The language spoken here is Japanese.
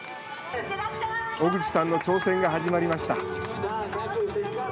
小口さんの挑戦が始まりました。